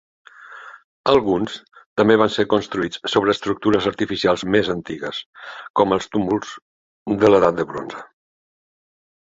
Alguns també van ser construïts sobre estructures artificials més antigues, com els túmuls de l'Edat de Bronze.